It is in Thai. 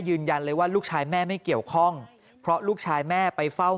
ยืนยันเลยว่าลูกชายแม่ไม่เกี่ยวข้องเพราะลูกชายแม่ไปเฝ้า